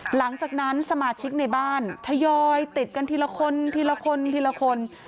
หลังจากนั้นสมาชิกในบ้านทยอยติดกันทีละคนทีละคนทีละคน